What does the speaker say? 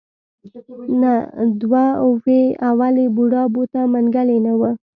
نه دوه وې اولې بوډا بوته منګلی نه و.